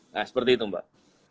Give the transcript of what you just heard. nah seperti itu mbak